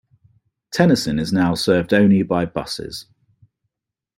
Tennyson is now served only by buses.